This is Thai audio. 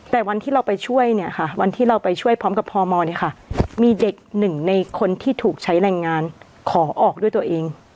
แต่วันที่เราไปช่วยเนี่ยค่ะวันที่เราไปช่วยพร้อมกับพมเนี่ยค่ะมีเด็กหนึ่งในคนที่ถูกใช้แรงงานขอออกด้วยตัวเอง